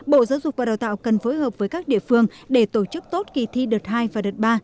bộ giáo dục và đào tạo cần phối hợp với các địa phương để tổ chức tốt kỳ thi đợt hai và đợt ba